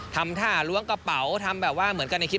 ทำท่าล้วงกระเป๋าทำแบบว่าเหมือนกันในคลิป